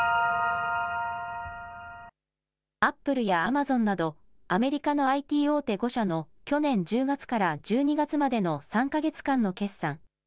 アップルやアマゾンなど、アメリカのＩＴ大手５社の去年１０月から１２月までの３か月間の決算。